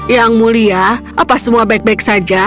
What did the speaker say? yang mulia apa semua baik baik saja